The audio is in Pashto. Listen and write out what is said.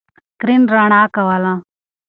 سکرین رڼا کوله.